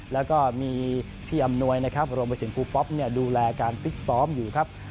แล้วก็มีพี่อำนวยนะครับรวมไปถึงครูป๊อปดูแลการฟิตซ้อมอยู่ครับ